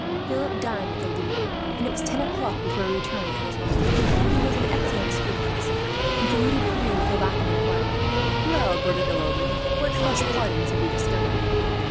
Philip dined at the Louvre, and it was ten o'clock before he returned to his lodging. He was in excellent spirits, and saluted Pierre with the laughing inquiry: "Well, bird of ill omen, what fresh plottings have you discovered?"